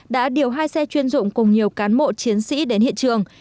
đã điều hai xe chuyên dụng cùng nhiều cán bộ chiến sĩ đến hiện trường